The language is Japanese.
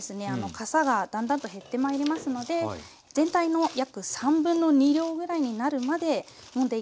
かさがだんだんと減ってまいりますので全体の約2/3量ぐらいになるまでもんでいきます。